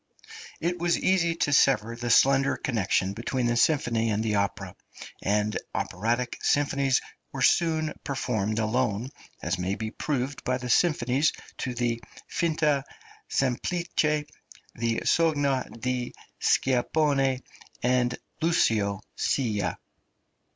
It was easy to sever the slender connection between the symphony and the opera; and operatic symphonies were soon performed alone, as may be proved by the symphonies to the "Finta Semplice," the "Sogno di Scipione" and "Lucio Silla."